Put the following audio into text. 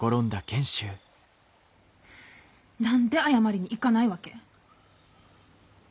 何で謝りに行かないわけ？